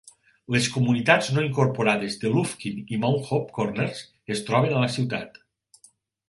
Les comunitats no incorporades de Lufkin i Mount Hope Corners es troben a la ciutat.